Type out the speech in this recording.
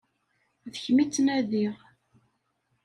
D kemm i ttnadiɣ.